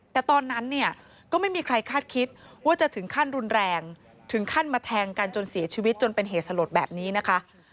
แต่ตอนนั้นเนี่ยก็ไม่มีใครคาดคิดว่าจะถึงขั้นรุนแรงถึงขั้นมาแทงกันจนเสียชีวิตจนเป็นเหตุสลดแบบนี้นะคะ